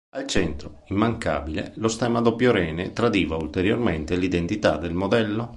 Al centro, immancabile, lo stemma a doppio rene tradiva ulteriormente l'identità del modello.